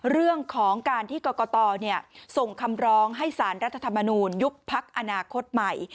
เรื่องของการที่กรกตส่งคำร้องให้สารรัฐธรรมนูลยุบพักอนาคตใหม่